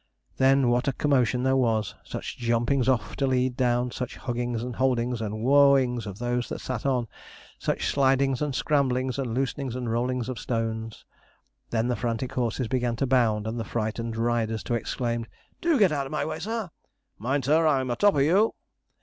Then what a commotion there was! Such jumpings off to lead down, such huggings and holdings, and wooa ings of those that sat on, such slidings and scramblings, and loosenings and rollings of stones. Then the frantic horses began to bound, and the frightened riders to exclaim: 'Do get out of my way, sir.' 'Mind, sir! I'm a top of you!'